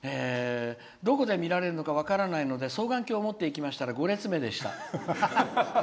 「どこで見られるか分からないので双眼鏡を持っていきましたら５列目でした。